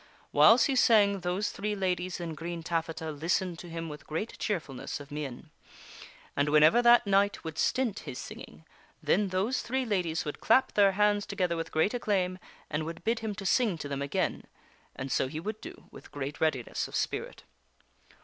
Whiles he sang those three ladies in green taffeta listened to him with great cheerfulness of mien. And whenever that knight would stint his singing, then those three ladies would clap their hands together with great acclaim, and would bid him to sing to them again ; and so he would do with great readiness of spirit.